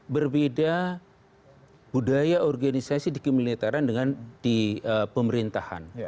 berbeda budaya organisasi di kemiliteran dengan di pemerintahan